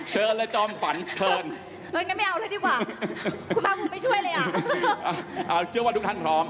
เชิญแล้วฯทำฝัน